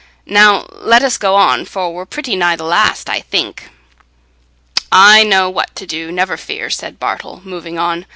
Now, let us go on, for we're pretty nigh the last, I think." "I know what to do, never fear," said Bartle, moving on.